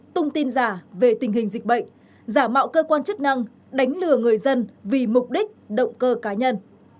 tung tin giả về tình hình dịch bệnh giả mạo cơ quan chức năng đánh lừa người dân vì mục đích động cơ cá nhân